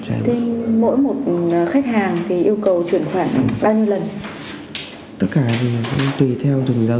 thì mỗi một khách hàng thì yêu cầu chuyển khoản bao nhiêu lần